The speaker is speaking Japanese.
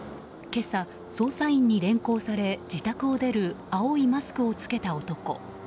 今朝、捜査員に連行され自宅を出る青いマスクを着けた男。